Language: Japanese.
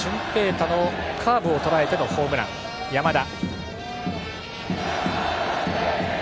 大のカーブをとらえてのホームラン、山田。